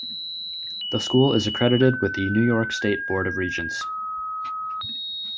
The school is accredited with the New York State Board of Regents.